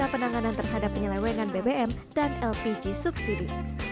penanganan terhadap penyelewengan bbm dan lpg subsidi